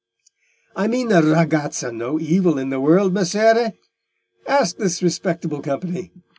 "I mean the ragazza no evil in the world, Messere: ask this respectable company.